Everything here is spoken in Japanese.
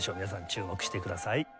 皆さん注目してください。